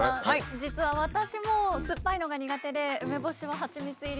実は私もすっぱいのが苦手で何。